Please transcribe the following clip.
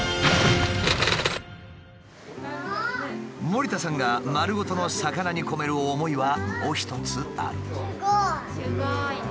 森田さんが丸ごとの魚に込める思いはもう一つある。